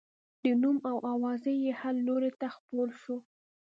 د نوم او اوازې یې هر لوري ته خپور شو.